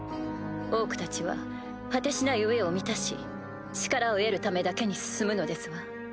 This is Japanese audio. オークたちは果てしない飢えを満たし力を得るためだけに進むのですわ。